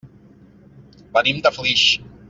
Venim de Flix.